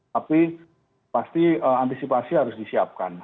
tapi pasti antisipasi harus disiapkan